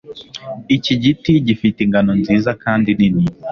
Iki giti gifite ingano nziza kandi nini